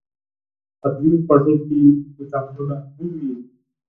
په طبیعي خوږو کې ویتامینونه هم وي.